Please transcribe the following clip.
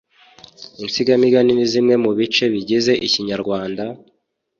Insigamigani ni zimwe mu bice bigize Ikinyarwanda,